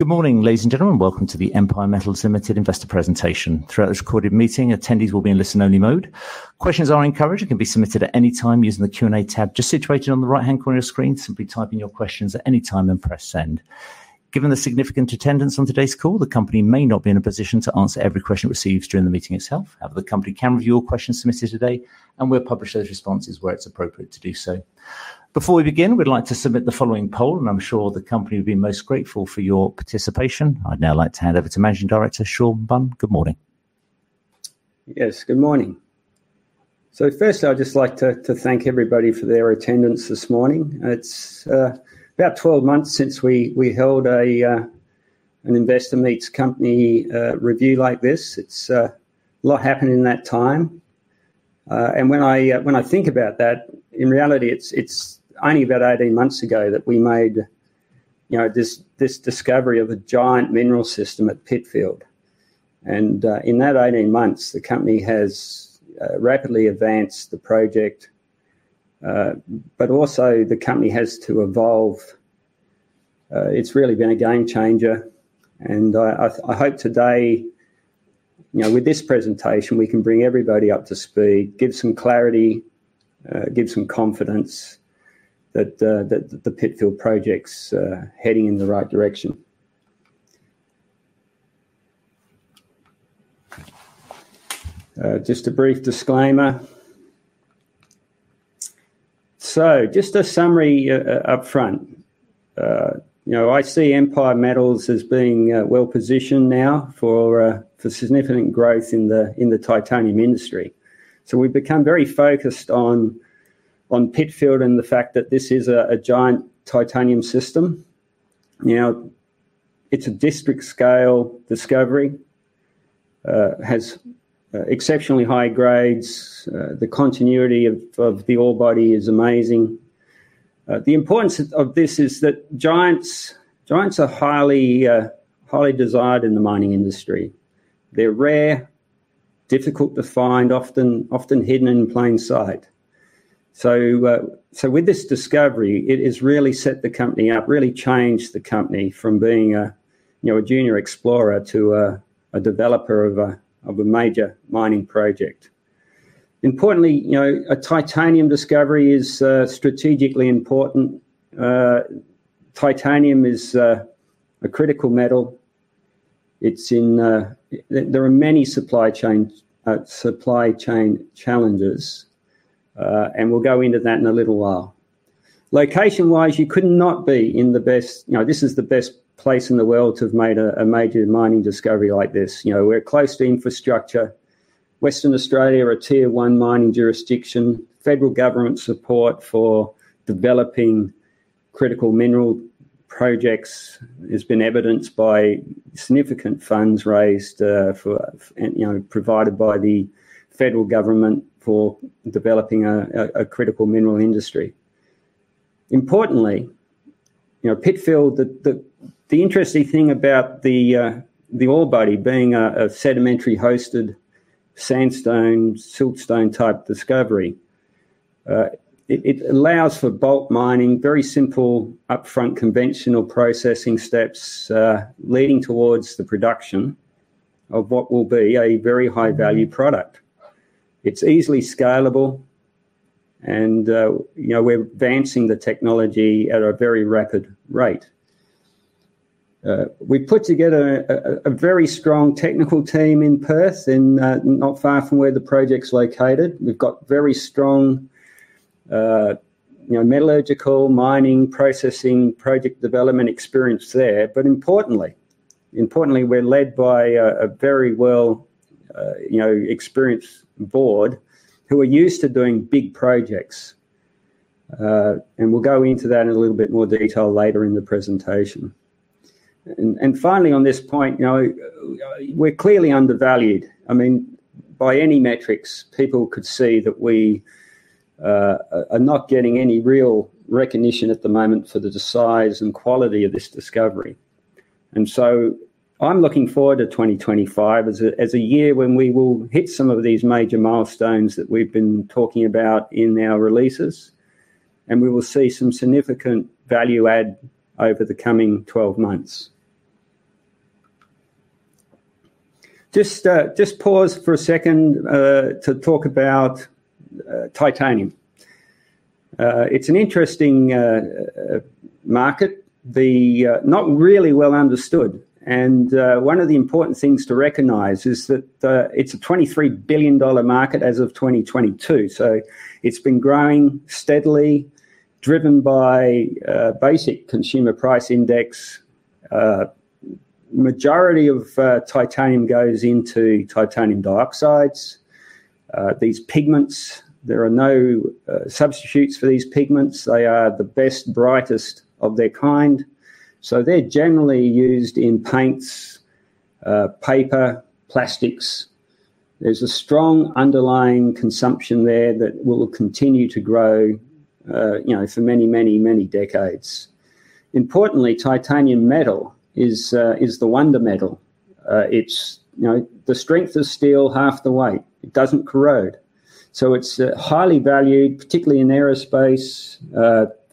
Good morning, ladies and gentlemen. Welcome to the Empire Metals Limited investor presentation. Throughout this recorded meeting, attendees will be in listen-only mode. Questions are encouraged and can be submitted at any time using the Q&A tab just situated on the right-hand corner of your screen. Simply type in your questions at any time and press send. Given the significant attendance on today's call, the company may not be in a position to answer every question it receives during the meeting itself. However, the company can review all questions submitted today, and we'll publish those responses where it's appropriate to do so. Before we begin, we'd like to submit the following poll, and I'm sure the company will be most grateful for your participation. I'd now like to hand over to Managing Director, Shaun Bunn. Good morning. Yes, good morning. Firstly, I'd just like to thank everybody for their attendance this morning. It's about 12 months since we held an Investor Meet Company review like this. A lot has happened in that time. When I think about that, in reality, it's only about 18 months ago that we made this discovery of a giant mineral system at Pitfield. In that 18 months, the company has rapidly advanced the project. Also the company has to evolve. It's really been a game changer. I hope today, with this presentation, we can bring everybody up to speed, give some clarity, give some confidence that the Pitfield project's heading in the right direction. Just a brief disclaimer. Just a summary upfront. I see Empire Metals as being well-positioned now for significant growth in the titanium industry. We've become very focused on Pitfield and the fact that this is a giant titanium system. It's a district scale discovery. Has exceptionally high grades. The continuity of the ore body is amazing. The importance of this is that giants are highly desired in the mining industry. They're rare, difficult to find, often hidden in plain sight. With this discovery, it has really set the company up, really changed the company from being a junior explorer to a developer of a major mining project. Importantly, a titanium discovery is strategically important. Titanium is a critical metal. There are many supply chain challenges. We'll go into that in a little while. Location-wise, this is the best place in the world to have made a major mining discovery like this. We're close to infrastructure. Western Australia are a tier one mining jurisdiction. Federal government support for developing critical mineral projects has been evidenced by significant funds raised provided by the federal government for developing a critical mineral industry. Importantly, Pitfield, the interesting thing about the ore body being a sedimentary-hosted, sandstone, siltstone-type discovery, it allows for bulk mining, very simple upfront conventional processing steps, leading towards the production of what will be a very high-value product. It's easily scalable and we're advancing the technology at a very rapid rate. We put together a very strong technical team in Perth, not far from where the project's located. We've got very strong metallurgical mining processing project development experience there. Importantly, we're led by a very well-experienced board who are used to doing big projects. We'll go into that in a little bit more detail later in the presentation. Finally on this point, we're clearly undervalued. By any metrics, people could see that we are not getting any real recognition at the moment for the size and quality of this discovery. I'm looking forward to 2025 as a year when we will hit some of these major milestones that we've been talking about in our releases. We will see some significant value add over the coming 12 months. Just pause for a second to talk about titanium. It's an interesting market, not really well understood. One of the important things to recognize is that it's a $23 billion market as of 2022. It's been growing steadily, driven by basic consumer price index. Majority of titanium goes into titanium dioxide. These pigments, there are no substitutes for these pigments. They are the best, brightest of their kind. They're generally used in paints, paper, plastics. There's a strong underlying consumption there that will continue to grow for many, many, many decades. Importantly, titanium metal is the wonder metal. The strength of steel, half the weight. It doesn't corrode. It's highly valued, particularly in aerospace,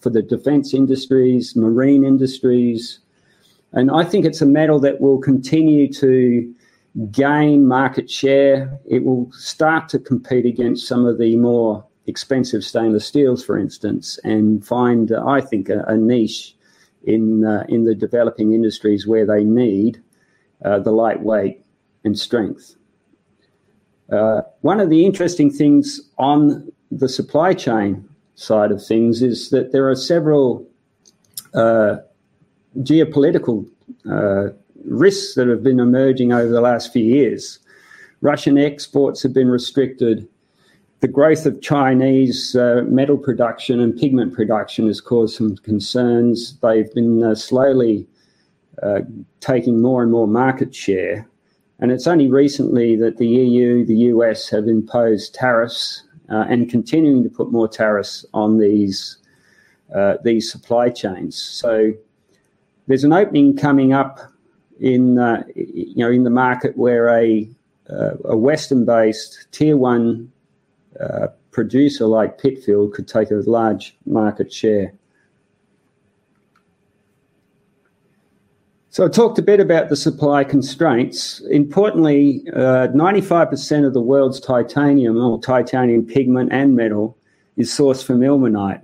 for the defense industries, marine industries, and I think it's a metal that will continue to gain market share. It will start to compete against some of the more expensive stainless steels, for instance, and find, I think, a niche in the developing industries where they need the light weight and strength. One of the interesting things on the supply chain side of things is that there are several geopolitical risks that have been emerging over the last few years. Russian exports have been restricted. The growth of Chinese metal production and pigment production has caused some concerns. They've been slowly taking more and more market share. It's only recently that the E.U., the U.S., have imposed tariffs, and continuing to put more tariffs on these supply chains. There's an opening coming up in the market where a Western-based tier one producer like Pitfield could take a large market share. I talked a bit about the supply constraints. Importantly, 95% of the world's titanium, or titanium pigment and metal, is sourced from ilmenite.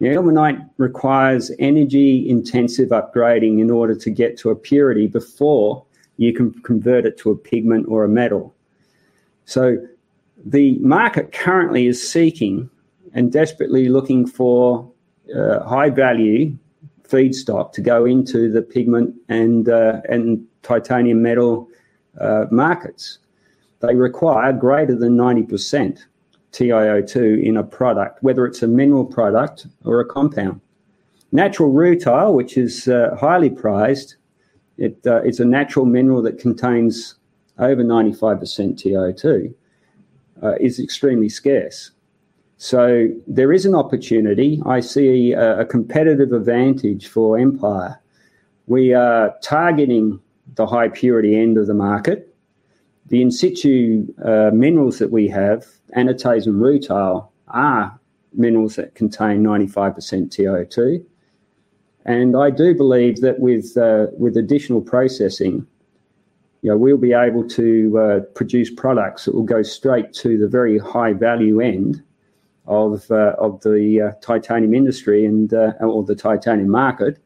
Now, ilmenite requires energy-intensive upgrading in order to get to a purity before you can convert it to a pigment or a metal. The market currently is seeking and desperately looking for high-value feedstock to go into the pigment and titanium metal markets. They require greater than 90% TiO2 in a product, whether it's a mineral product or a compound. Natural rutile, which is highly prized, is a natural mineral that contains over 95% TiO2. It is extremely scarce. There is an opportunity. I see a competitive advantage for Empire. We are targeting the high-purity end of the market. The in situ minerals that we have, anatase and rutile, are minerals that contain 95% TiO2. I do believe that with additional processing, we'll be able to produce products that will go straight to the very high-value end of the titanium industry or the titanium market,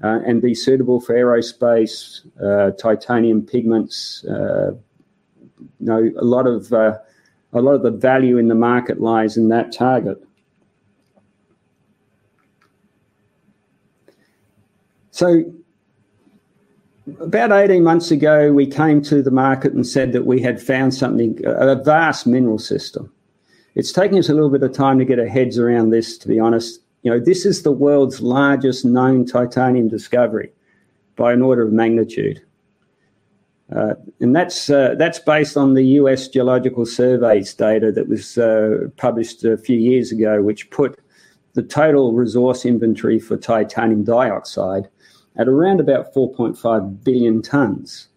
and be suitable for aerospace, titanium pigments. A lot of the value in the market lies in that target. About 18 months ago, we came to the market and said that we had found something, a vast mineral system. It's taken us a little bit of time to get our heads around this, to be honest. This is the world's largest known titanium discovery by an order of magnitude. That's based on the U.S. Geological Survey's data that was published a few years ago, which put the total resource inventory for titanium dioxide at around about 4.5 billion tons.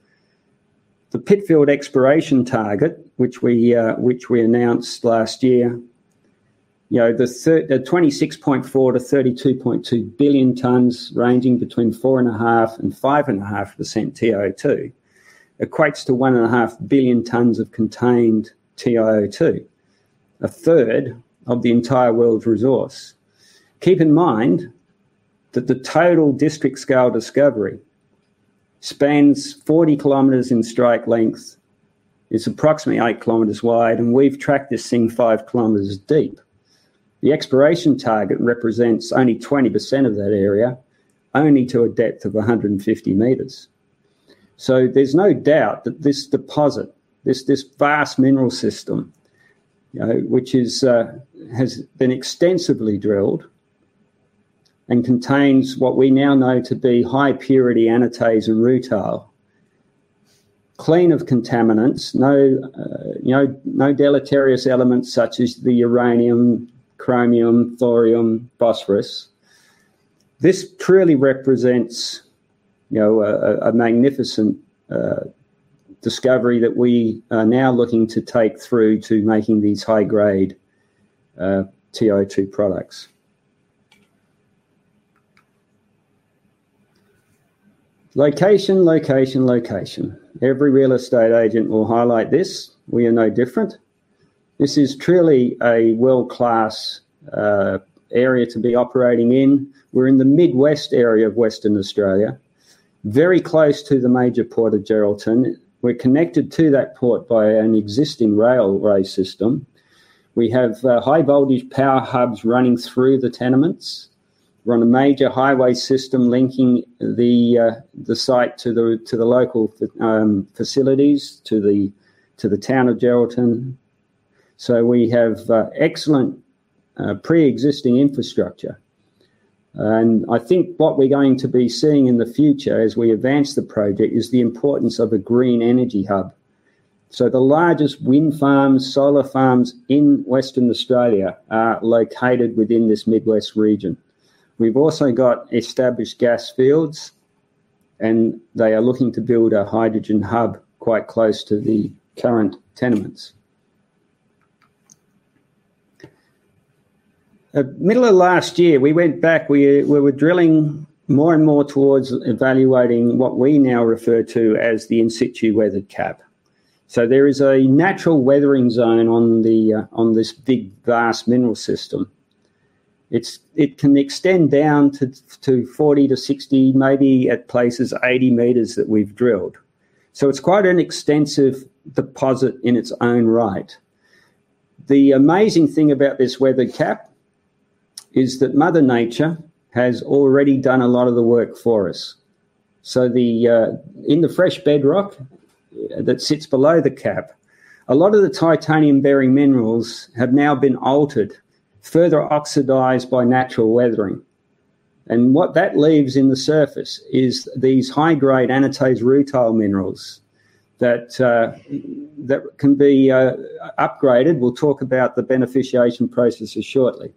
The Pitfield exploration target, which we announced last year, the 26.4-32.2 billion tons, ranging between 4.5%-5.5% TiO2, equates to 1.5 billion tons of contained TiO2, a third of the entire world's resource. Keep in mind that the total district scale discovery spans 40 km in strike length, is approximately 8 km wide, and we've tracked this thing 5 km deep. The exploration target represents only 20% of that area, only to a depth of 150 m. There's no doubt that this deposit, this vast mineral system, which has been extensively drilled and contains what we now know to be high purity anatase and rutile, clean of contaminants. No deleterious elements such as the uranium, chromium, thorium, phosphorus. This truly represents a magnificent discovery that we are now looking to take through to making these high-grade TiO2 products. Location. Every real estate agent will highlight this. We are no different. This is truly a world-class area to be operating in. We're in the Midwest area of Western Australia, very close to the major Port of Geraldton. We're connected to that port by an existing railway system. We have high-voltage power hubs running through the tenements. We're on a major highway system linking the site to the local facilities, to the town of Geraldton. We have excellent pre-existing infrastructure. I think what we're going to be seeing in the future as we advance the project is the importance of a green energy hub. The largest wind farms, solar farms in Western Australia are located within this Mid West region. We've also got established gas fields, and they are looking to build a hydrogen hub quite close to the current tenements. At middle of last year, we went back. We were drilling more and more towards evaluating what we now refer to as the in-situ weathered cap. There is a natural weathering zone on this big, vast mineral system. It can extend down to 40-60 m, maybe at places 80 m that we've drilled. It's quite an extensive deposit in its own right. The amazing thing about this weathered cap is that Mother Nature has already done a lot of the work for us. In the fresh bedrock that sits below the cap, a lot of the titanium-bearing minerals have now been altered, further oxidized by natural weathering. What that leaves in the surface is these high-grade anatase rutile minerals that can be upgraded. We'll talk about the beneficiation processes shortly.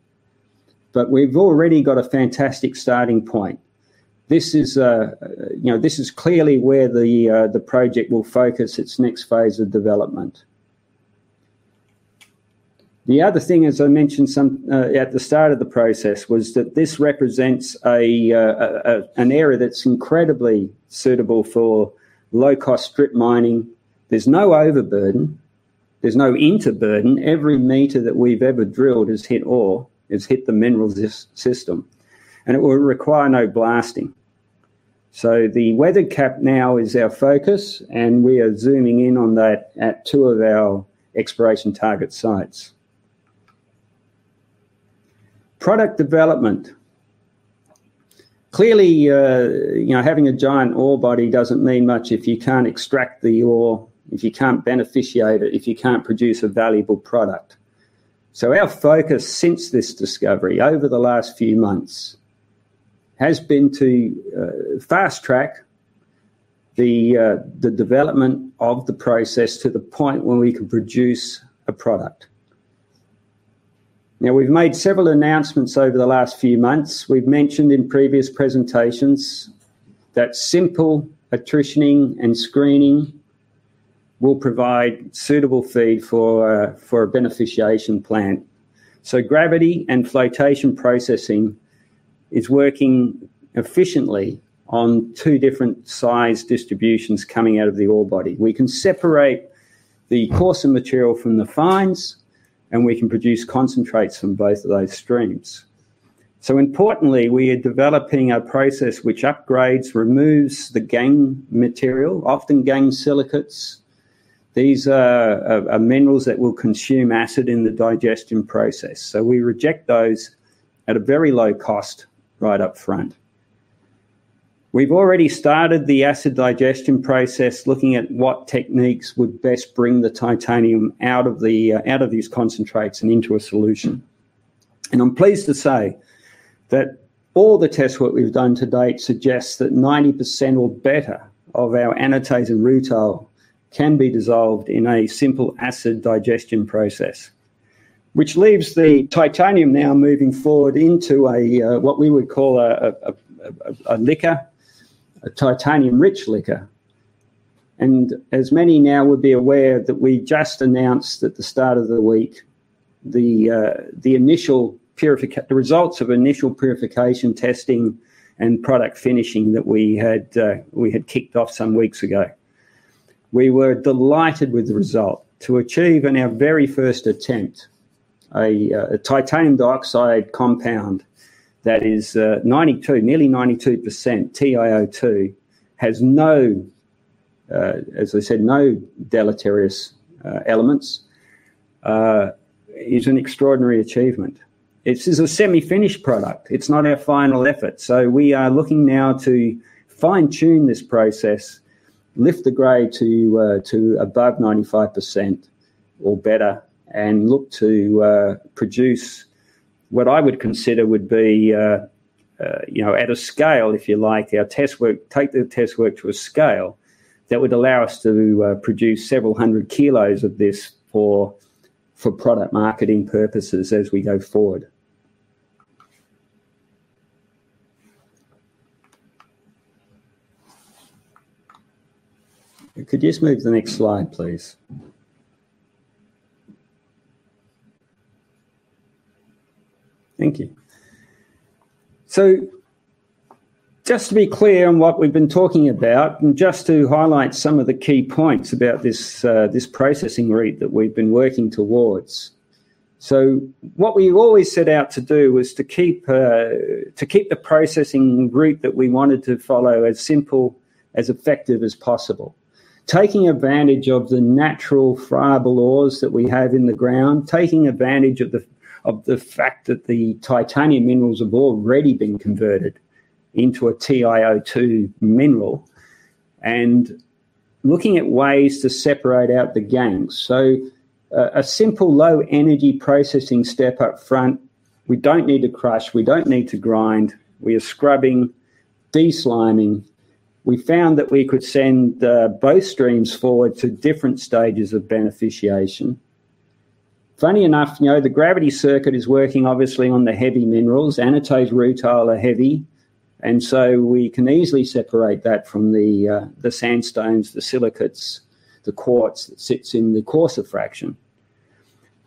We've already got a fantastic starting point. This is clearly where the project will focus its next phase of development. The other thing, as I mentioned at the start of the process, was that this represents an area that's incredibly suitable for low-cost strip mining. There's no overburden, there's no inter-burden. Every meter that we've ever drilled has hit ore, has hit the mineral system. It will require no blasting. The weathered cap now is our focus, and we are zooming in on that at two of our exploration target sites. Product development. Clearly, having a giant ore body doesn't mean much if you can't extract the ore, if you can't beneficiate it, if you can't produce a valuable product. Our focus since this discovery over the last few months has been to fast-track the development of the process to the point where we can produce a product. Now, we've made several announcements over the last few months. We've mentioned in previous presentations that simple attritioning and screening will provide suitable feed for a beneficiation plant. Gravity and flotation processing is working efficiently on two different size distributions coming out of the ore body. We can separate the coarser material from the fines, and we can produce concentrates from both of those streams. Importantly, we are developing a process which upgrades, removes the gangue material, often gangue silicates. These are minerals that will consume acid in the digestion process. We reject those at a very low cost right up front. We've already started the acid digestion process, looking at what techniques would best bring the titanium out of these concentrates and into a solution. I'm pleased to say that all the test work we've done to date suggests that 90% or better of our anatase and rutile can be dissolved in a simple acid digestion process. Which leaves the titanium now moving forward into a, what we would call a liquor, a titanium-rich liquor. As many now would be aware that we just announced at the start of the week the results of initial purification testing and product finishing that we had kicked off some weeks ago. We were delighted with the result. To achieve in our very first attempt a titanium dioxide compound that is nearly 92% TiO2, has, as I said, no deleterious elements, is an extraordinary achievement. It is a semi-finished product. It's not our final effort. We are looking now to fine-tune this process, lift the grade to above 95% or better, and look to produce what I would consider would be at a scale, if you like. Take the test work to a scale that would allow us to produce several hundred kilos of this for product marketing purposes as we go forward. Could you just move to the next slide, please? Thank you. Just to be clear on what we've been talking about, and just to highlight some of the key points about this processing route that we've been working towards. What we always set out to do was to keep the processing route that we wanted to follow as simple, as effective as possible. Taking advantage of the natural friable ores that we have in the ground, taking advantage of the fact that the titanium minerals have already been converted into a TiO2 mineral, and looking at ways to separate out the gangues. A simple low-energy processing step up front. We don't need to crush, we don't need to grind. We are scrubbing, de-sliming. We found that we could send both streams forward to different stages of beneficiation. Funny enough, the gravity circuit is working obviously on the heavy minerals. Anatase, rutile are heavy, and so we can easily separate that from the sandstones, the silicates, the quartz that sits in the coarser fraction.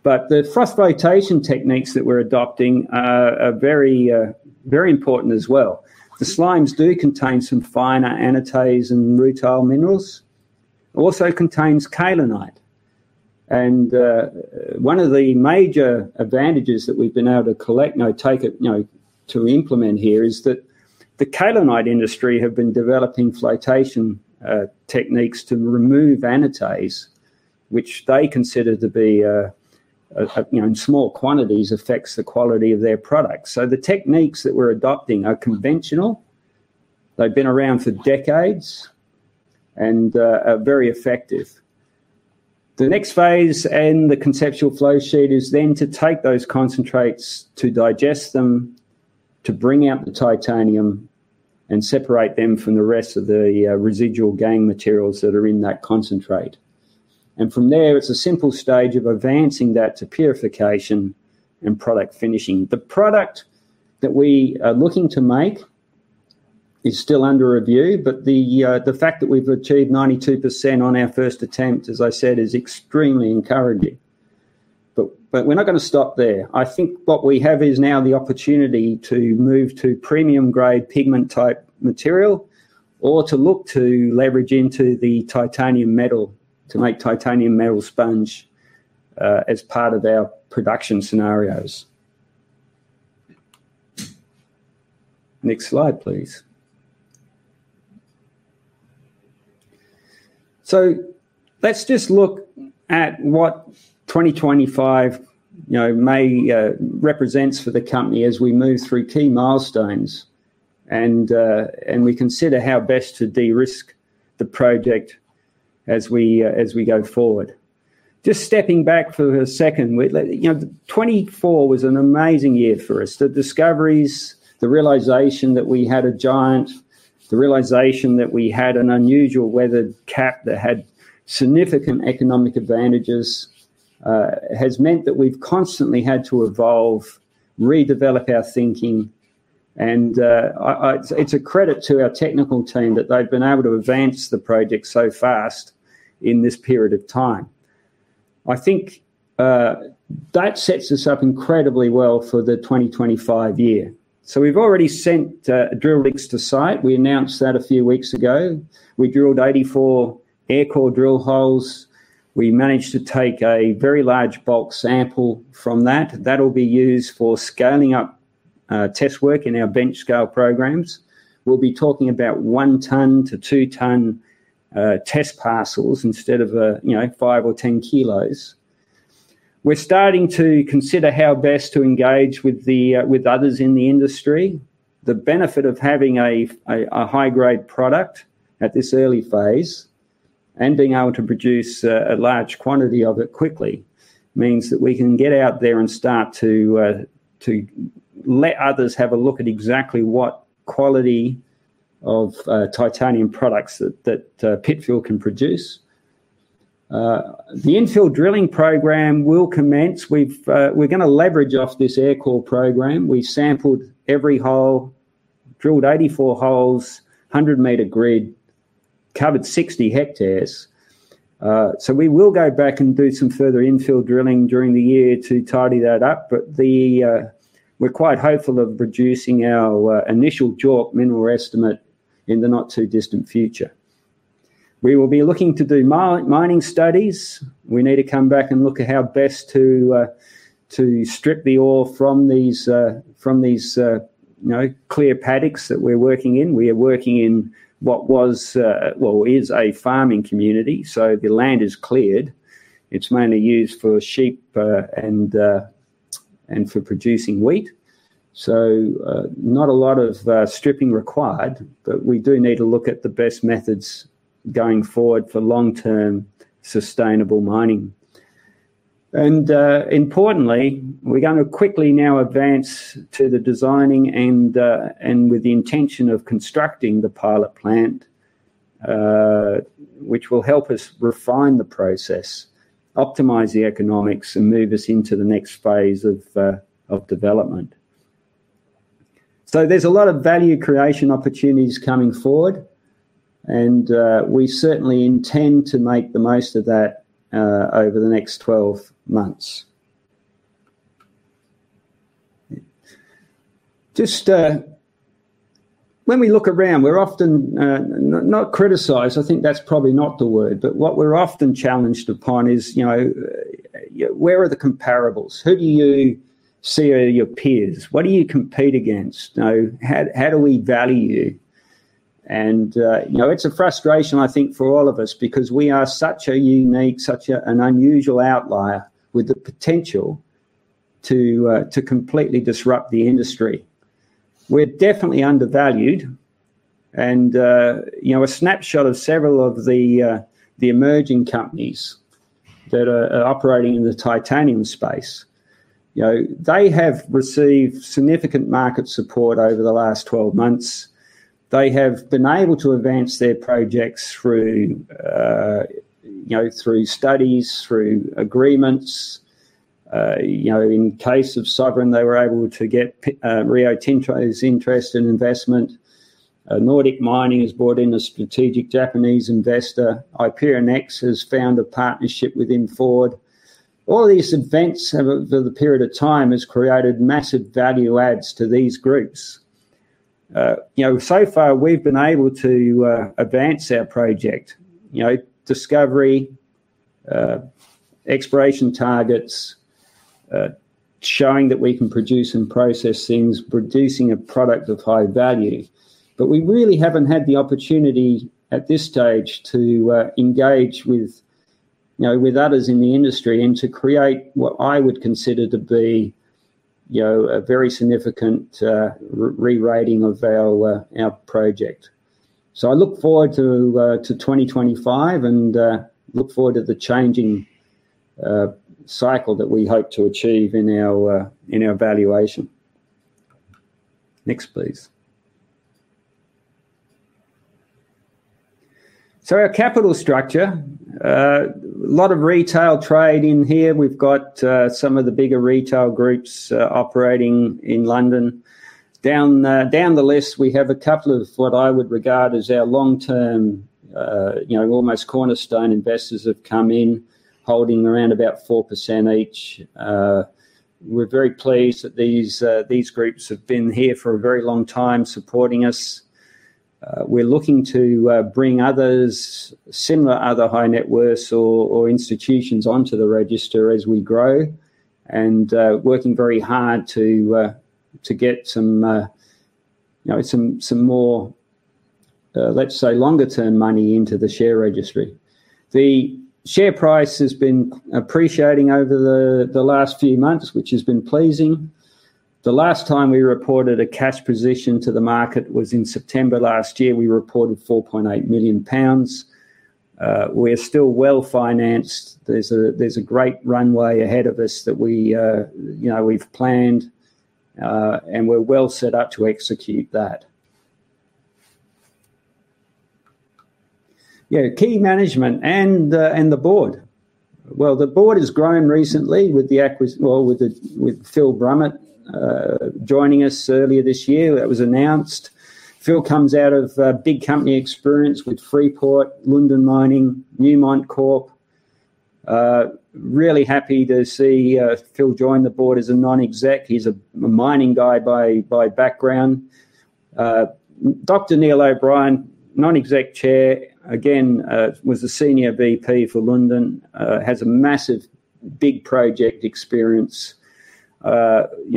The froth flotation techniques that we're adopting are very important as well. The slimes do contain some finer anatase and rutile minerals. It also contains kyanite. One of the major advantages that we've been able to implement here is that the kyanite industry have been developing flotation techniques to remove anatase, which they consider to be, in small quantities, affects the quality of their product. The techniques that we're adopting are conventional. They've been around for decades and are very effective. The next phase in the conceptual flow sheet is then to take those concentrates, to digest them, to bring out the titanium, and separate them from the rest of the residual gangue materials that are in that concentrate. From there, it's a simple stage of advancing that to purification and product finishing. The product that we are looking to make is still under review, but the fact that we've achieved 92% on our first attempt, as I said, is extremely encouraging. We're not going to stop there. I think what we have is now the opportunity to move to premium-grade pigment-type material or to look to leverage into the titanium metal to make titanium metal sponge as part of our production scenarios. Next slide, please. Let's just look at what 2025 may represent for the company as we move through key milestones and we consider how best to de-risk the project as we go forward. Just stepping back for a second. 2024 was an amazing year for us. The discoveries, the realization that we had a giant, the realization that we had an unusual weathered cap that had significant economic advantages has meant that we've constantly had to evolve, redevelop our thinking, and it's a credit to our technical team that they've been able to advance the project so fast in this period of time. I think that sets us up incredibly well for the 2025 year. We've already sent drill rigs to site. We announced that a few weeks ago. We drilled 84 air core drill holes. We managed to take a very large bulk sample from that. That'll be used for scaling up test work in our bench scale programs. We'll be talking about 1 tonne to 2 tonne test parcels instead of 5 or 10 kilos. We're starting to consider how best to engage with others in the industry. The benefit of having a high-grade product at this early phase and being able to produce a large quantity of it quickly means that we can get out there and start to let others have a look at exactly what quality of titanium products that Pitfield can produce. The infill drilling program will commence. We're going to leverage off this air core program. We sampled every hole, drilled 84 holes, 100 m grid, covered 60 hectares. We will go back and do some further infill drilling during the year to tidy that up. We're quite hopeful of reducing our initial JORC mineral estimate in the not-too-distant future. We will be looking to do mining studies. We need to come back and look at how best to strip the ore from these clear paddocks that we're working in. We are working in what is a farming community. The land is cleared. It's mainly used for sheep and for producing wheat. Not a lot of stripping required, but we do need to look at the best methods going forward for long-term sustainable mining. Importantly, we're going to quickly now advance to the designing and with the intention of constructing the pilot plant. Which will help us refine the process, optimize the economics, and move us into the next phase of development. There's a lot of value creation opportunities coming forward, and we certainly intend to make the most of that over the next 12 months. When we look around, we're often not criticized. I think that's probably not the word. What we're often challenged upon is where are the comparables? Who do you see are your peers? What do you compete against? How do we value you? It's a frustration, I think, for all of us because we are such a unique, such an unusual outlier with the potential to completely disrupt the industry. We're definitely undervalued. A snapshot of several of the emerging companies that are operating in the titanium space. They have received significant market support over the last 12 months. They have been able to advance their projects through studies, through agreements. In case of Sovereign, they were able to get Rio Tinto's interest and investment. Nordic Mining has brought in a strategic Japanese investor. IperionX has found a partnership within Ford. All these events over the period of time has created massive value adds to these groups. So far, we've been able to advance our project. Discovery, Exploration Targets, showing that we can produce and process things, producing a product of high value. We really haven't had the opportunity at this stage to engage with others in the industry and to create what I would consider to be a very significant rewriting of our project. I look forward to 2025 and look forward to the changing cycle that we hope to achieve in our valuation. Next, please. Our capital structure. A lot of retail trade in here. We've got some of the bigger retail groups operating in London. Down the list, we have a couple of what I would regard as our long-term, almost cornerstone investors have come in, holding around about 4% each. We're very pleased that these groups have been here for a very long time supporting us. We're looking to bring others, similar other high net worths or institutions onto the register as we grow and working very hard to get some more, let's say, longer term money into the share registry. The share price has been appreciating over the last few months, which has been pleasing. The last time we reported a cash position to the market was in September last year. We reported 4.8 million pounds. We're still well-financed. There's a great runway ahead of us that we've planned, and we're well set up to execute that. Key management and the board. Well, the board has grown recently with Phil Brumit joining us earlier this year. That was announced. Phil comes out of big company experience with Freeport, Lundin Mining, Newmont Corp. Really happy to see Phil join the board as a non-exec. He's a mining guy by background. Dr. Neil O'Brien, Non-Executive Chair, again, was the Senior Vice President for Lundin Mining. He has a massive big project experience.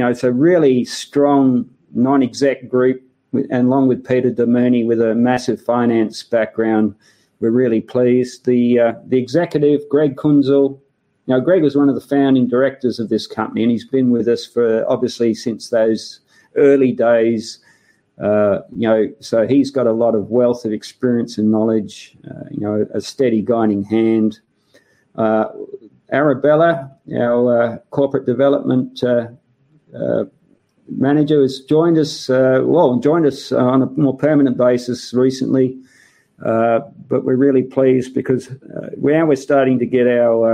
It's a really strong Non-Executive group, and along with Peter Damouni, with a massive finance background, we're really pleased. The executive, Greg Kuenzel. Now, Greg was one of the founding directors of this company, and he's been with us for, obviously, since those early days. He's got a lot of wealth of experience and knowledge, a steady guiding hand. Arabella, our corporate development manager, has joined us on a more permanent basis recently. We're really pleased because now we're starting to get our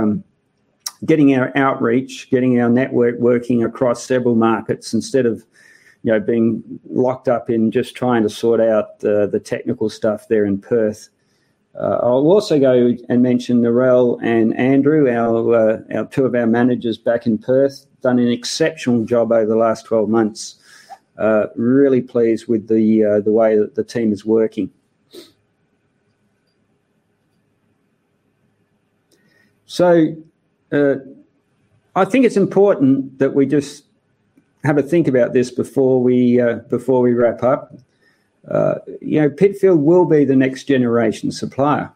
outreach, getting our network working across several markets instead of being locked up in just trying to sort out the technical stuff there in Perth. I'll also go and mention Norelle and Andrew, two of our managers back in Perth, done an exceptional job over the last 12 months. Really pleased with the way that the team is working. I think it's important that we just have a think about this before we wrap up. Pitfield will be the next generation supplier.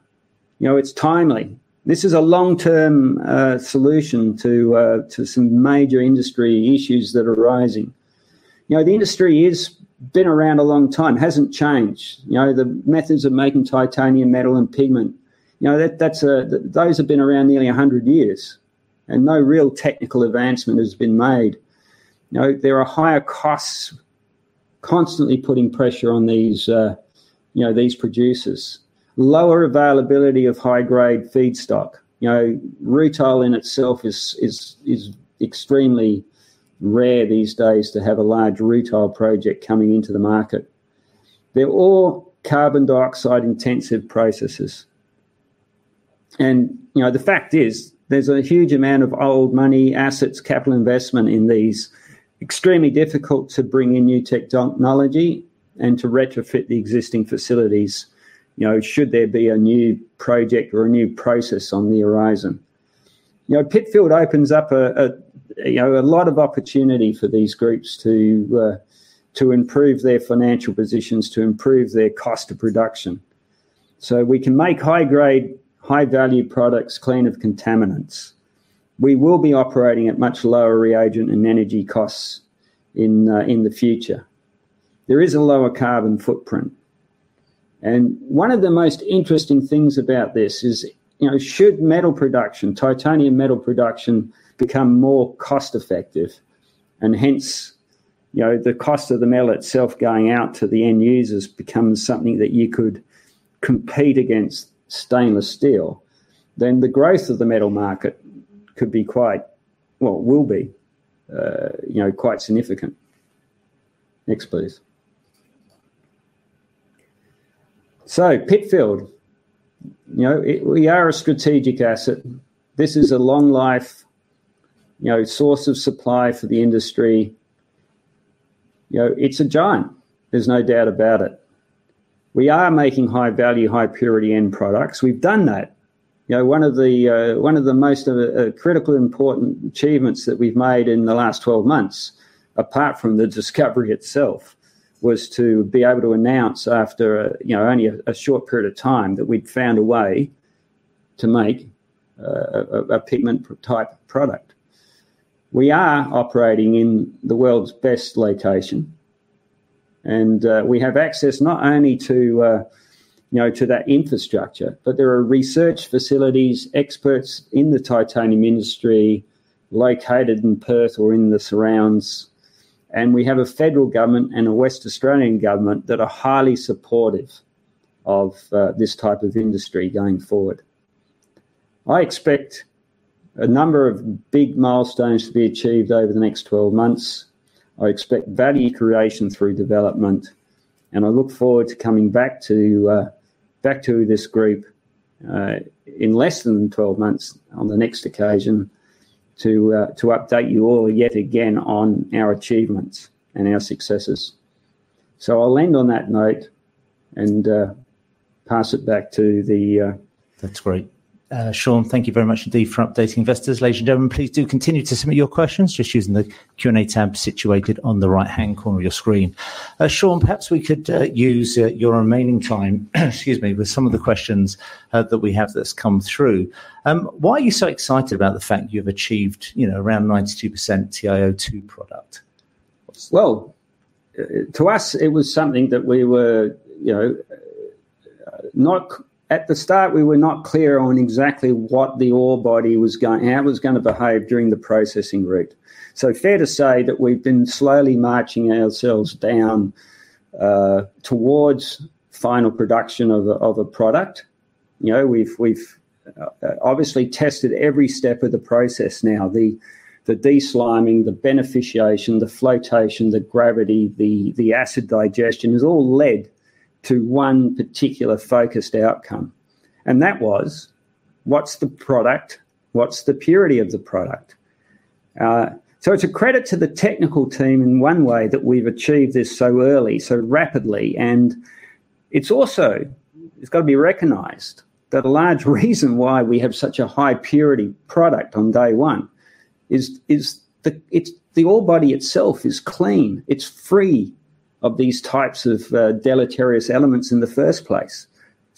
It's timely. This is a long-term solution to some major industry issues that are rising. The industry has been around a long time, hasn't changed. The methods of making titanium metal and pigment. Those have been around nearly 100 years. No real technical advancement has been made. There are higher costs constantly putting pressure on these producers, lower availability of high-grade feedstock. Rutile in itself is extremely rare these days to have a large rutile project coming into the market. They're all carbon dioxide-intensive processes. The fact is, there's a huge amount of old money, assets, capital investment in these. Extremely difficult to bring in new technology and to retrofit the existing facilities should there be a new project or a new process on the horizon. Pitfield opens up a lot of opportunity for these groups to improve their financial positions, to improve their cost of production. We can make high-grade, high-value products clean of contaminants. We will be operating at much lower reagent and energy costs in the future. There is a lower carbon footprint. One of the most interesting things about this is, should titanium metal production become more cost-effective, and hence the cost of the metal itself going out to the end users becomes something that you could compete against stainless steel, then the growth of the metal market could be quite, well, will be quite significant. Next, please. Pitfield. We are a strategic asset. This is a long life source of supply for the industry. It's a giant, there's no doubt about it. We are making high-value, high-purity end products. We've done that. One of the most critical important achievements that we've made in the last 12 months, apart from the discovery itself, was to be able to announce after only a short period of time that we'd found a way to make a pigment-type product. We are operating in the world's best location. We have access not only to that infrastructure, but there are research facilities, experts in the titanium industry located in Perth or in the surrounds. We have a federal government and a Western Australian government that are highly supportive of this type of industry going forward. I expect a number of big milestones to be achieved over the next 12 months. I expect value creation through development. I look forward to coming back to this group in less than 12 months on the next occasion to update you all yet again on our achievements and our successes. I'll end on that note and pass it back to the.. That's great. Shaun, thank you very much indeed for updating investors. Ladies and gentlemen, please do continue to submit your questions just using the Q&A tab situated on the right-hand corner of your screen. Shaun, perhaps we could use your remaining time, excuse me, with some of the questions that we have that's come through. Why are you so excited about the fact you've achieved around 92% TiO2 product? Well, to us, at the start, we were not clear on exactly how the ore body was going to behave during the processing route. Fair to say that we've been slowly marching ourselves down towards final production of a product. We've obviously tested every step of the process now. The desliming, the beneficiation, the flotation, the gravity, the acid digestion, has all led to one particular focused outcome. And that was, what's the product? What's the purity of the product? It's a credit to the technical team in one way that we've achieved this so early, so rapidly, and it's also got to be recognized that a large reason why we have such a high purity product on day one is the ore body itself is clean. It's free of these types of deleterious elements in the first place.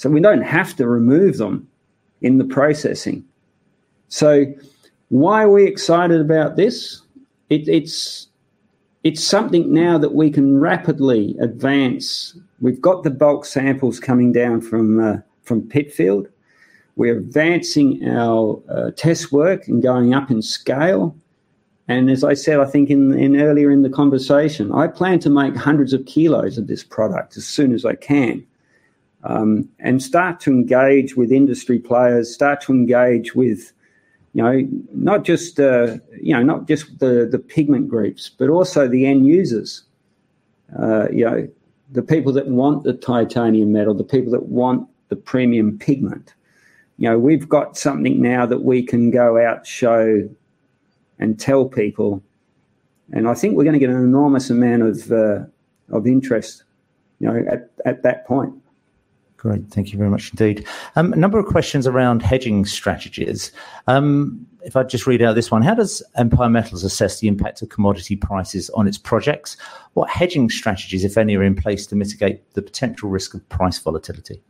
We don't have to remove them in the processing. Why are we excited about this? It's something now that we can rapidly advance. We've got the bulk samples coming down from Pitfield. We're advancing our test work and going up in scale. As I said, I think earlier in the conversation, I plan to make hundreds of kilos of this product as soon as I can. Start to engage with industry players. Start to engage with not just the pigment groups, but also the end users. The people that want the titanium metal. The people that want the premium pigment. We've got something now that we can go out, show, and tell people. I think we're going to get an enormous amount of interest at that point. Great. Thank you very much indeed. A number of questions around hedging strategies. If I just read out this one. "How does Empire Metals assess the impact of commodity prices on its projects? What hedging strategies, if any, are in place to mitigate the potential risk of price volatility?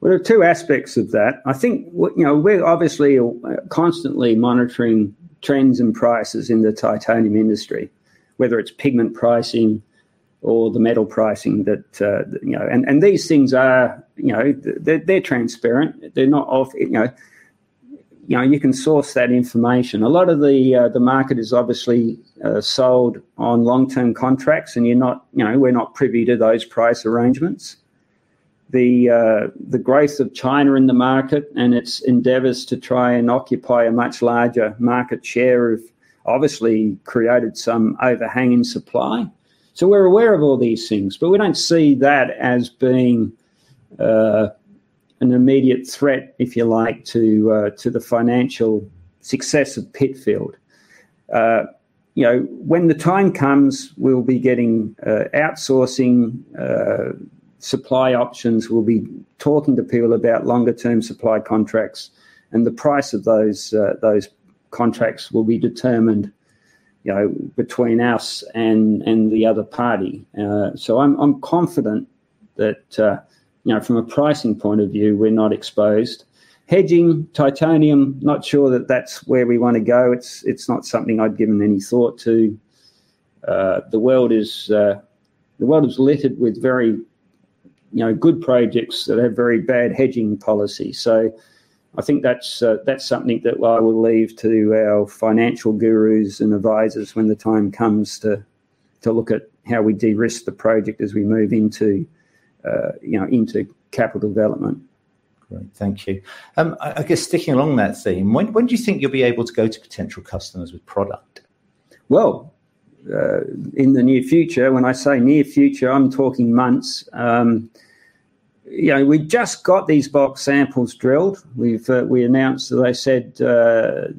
Well, there are two aspects of that. I think we're obviously constantly monitoring trends and prices in the titanium industry, whether it's pigment pricing or the metal pricing. These things are transparent. You can source that information. A lot of the market is obviously sold on long-term contracts, and we're not privy to those price arrangements. The growth of China in the market and its endeavors to try and occupy a much larger market share have obviously created some overhanging supply. We're aware of all these things, but we don't see that as being an immediate threat, if you like, to the financial success of Pitfield. When the time comes, we'll be getting outsourcing supply options. We'll be talking to people about longer-term supply contracts. The price of those contracts will be determined between us and the other party. I'm confident that from a pricing point of view, we're not exposed. Hedging titanium, not sure that that's where we want to go. It's not something I've given any thought to. The world is littered with very good projects that have very bad hedging policies. I think that's something that I will leave to our financial gurus and advisors when the time comes to look at how we de-risk the project as we move into capital development. Great. Thank you. I guess sticking along that theme, when do you think you'll be able to go to potential customers with product? Well, in the near future. When I say near future, I'm talking months. We just got these bulk samples drilled. We announced, as I said, a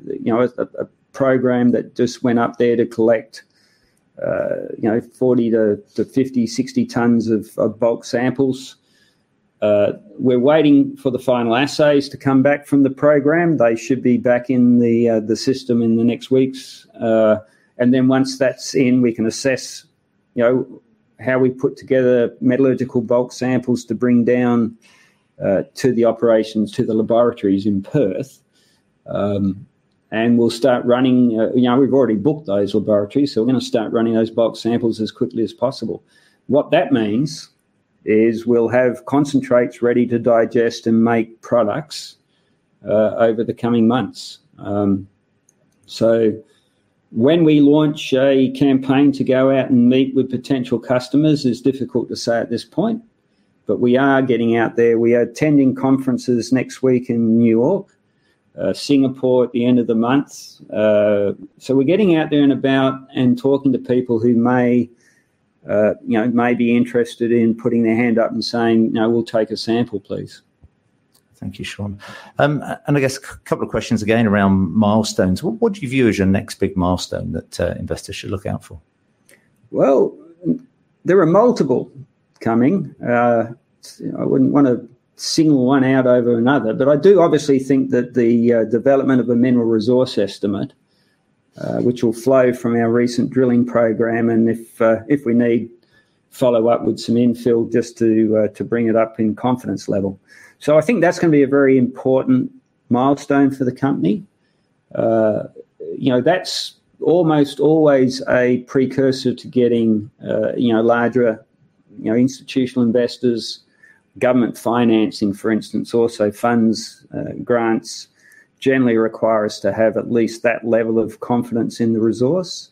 program that just went up there to collect 40-60 tons of bulk samples. We're waiting for the final assays to come back from the program. They should be back in the system in the next weeks. Once that's in, we can assess how we put together metallurgical bulk samples to bring down to the operations to the laboratories in Perth. We'll start running. We've already booked those laboratories, so we're going to start running those bulk samples as quickly as possible. What that means is we'll have concentrates ready to digest and make products over the coming months. When we launch a campaign to go out and meet with potential customers, it's difficult to say at this point. We are getting out there. We are attending conferences next week in New York, Singapore at the end of the month. We're getting out there and about and talking to people who may be interested in putting their hand up and saying, "We'll take a sample, please." Thank you, Shaun. I guess a couple of questions again around milestones. What do you view as your next big milestone that investors should look out for? Well, there are multiple coming. I wouldn't want to single one out over another, but I do obviously think that the development of a mineral resource estimate, which will flow from our recent drilling program and if we need follow-up with some infill just to bring it up in confidence level. I think that's going to be a very important milestone for the company. That's almost always a precursor to getting larger institutional investors, government financing, for instance. Also funds, grants generally require us to have at least that level of confidence in the resource.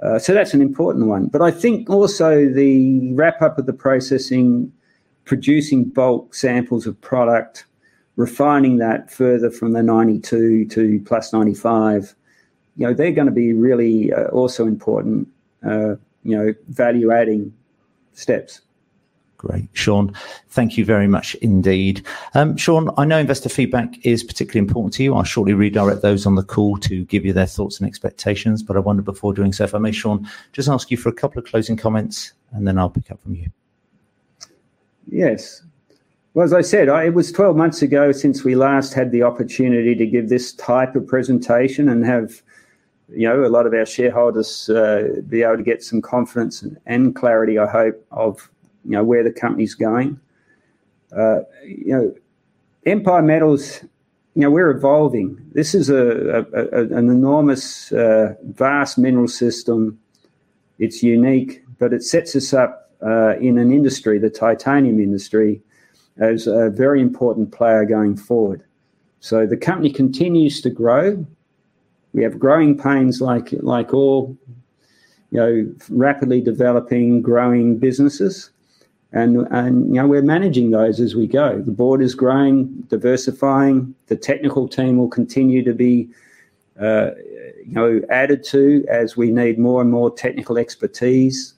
That's an important one. I think also the wrap-up of the processing, producing bulk samples of product, refining that further from the 92% to +95%. They're going to be really also important value-adding steps. Great. Shaun, thank you very much indeed. Shaun, I know investor feedback is particularly important to you. I'll shortly redirect those on the call to give you their thoughts and expectations, but I wonder before doing so, if I may, Shaun, just ask you for a couple of closing comments, and then I'll pick up from you. Yes. Well, as I said, it was 12 months ago since we last had the opportunity to give this type of presentation and have a lot of our shareholders be able to get some confidence and clarity, I hope, of where the company's going. Empire Metals, we're evolving. This is an enormous, vast mineral system. It's unique, but it sets us up in an industry, the titanium industry, as a very important player going forward. The company continues to grow. We have growing pains like all rapidly developing, growing businesses. We're managing those as we go. The board is growing, diversifying. The technical team will continue to be added to as we need more and more technical expertise.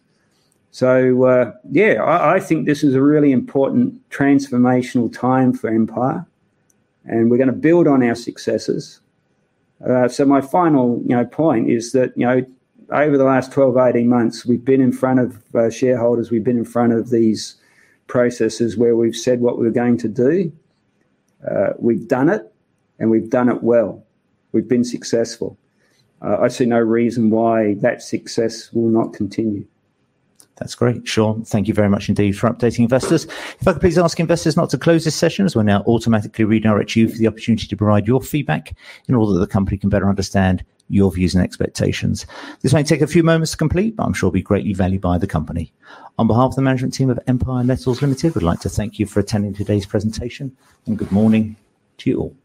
Yeah, I think this is a really important transformational time for Empire, and we're going to build on our successes. My final point is that over the last 12-18 months, we've been in front of shareholders, we've been in front of these processes where we've said what we were going to do. We've done it, and we've done it well. We've been successful. I see no reason why that success will not continue. That's great, Shaun. Thank you very much indeed for updating investors. If I could please ask investors not to close this session as we'll now automatically redirect you for the opportunity to provide your feedback in order that the company can better understand your views and expectations. This may take a few moments to complete, but I'm sure it'll be greatly valued by the company. On behalf of the management team of Empire Metals Limited, we'd like to thank you for attending today's presentation, and good morning to you all.